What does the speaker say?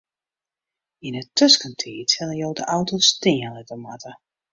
Yn 'e tuskentiid sille jo de auto stean litte moatte.